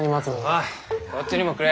おいこっちにもくれ。